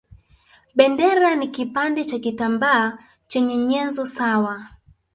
Bendera ni kipande cha kitambaa chenye nyenzo sawa